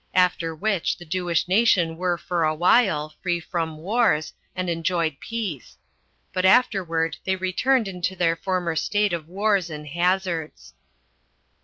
After which the Jewish nation were, for a while, free from wars, and enjoyed peace; but afterward they returned into their former state of wars and hazards.